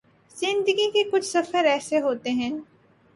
زندگی کے کچھ سفر ایسے ہوتے ہیں